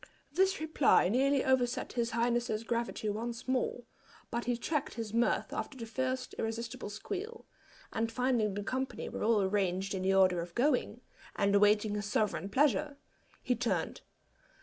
This reply nearly overset his highness's gravity once more, but he checked his mirth after the first irresistible squeal; and finding the company were all arranged in the order of going, and awaiting his sovereign pleasure, he turned.